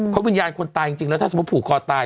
เพราะวิญญาณคนตายจริงแล้วถ้าสมมุติผูกคอตาย